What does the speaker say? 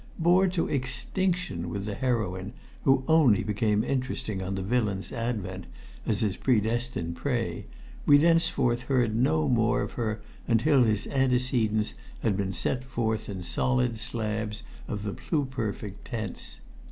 Bored to extinction with the heroine, who only became interesting on the villain's advent, as his predestined prey, we thenceforth heard no more of her until his antecedents had been set forth in solid slabs of the pluperfect tense.